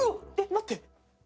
待って。